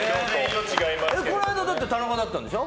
この間、田中だったんでしょ。